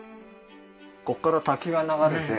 ここから滝が流れて